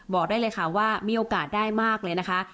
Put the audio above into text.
บอกได้เลยค่ะว่ามีโอกาสได้มากเลยนะคะ